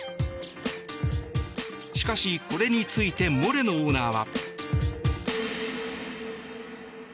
しかし、これについてモレノオーナーは。